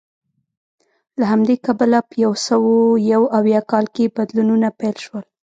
له همدې کبله په یو سوه یو اویا کال کې بدلونونه پیل شول